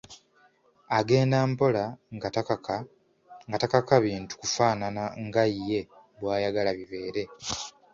Agenda mpola nga takaka bintu kufaanana nga ye bw’ayagala bibeere.